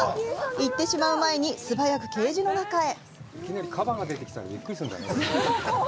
行ってしまう前に素早くケージの中へ。